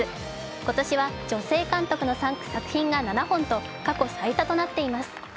今年は女性監督の作品が７本と過去最多となっています。